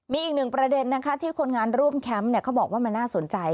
มีอีกหนึ่งประเด็นนะคะที่คนงานร่วมแคมป์เขาบอกว่ามันน่าสนใจ